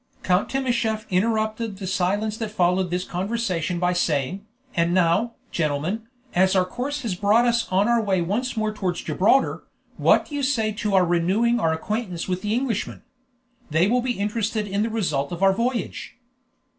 Count Timascheff interrupted the silence that followed this conversation by saying, "And now, gentlemen, as our course has brought us on our way once more towards Gibraltar, what do you say to our renewing our acquaintance with the Englishmen? They will be interested in the result of our voyage."